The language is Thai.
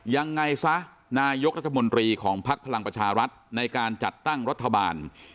ยังไงซะนายกรัฐมนตรีของภักดิ์พลังประชารัฐในการจัดตั้งรัฐบาล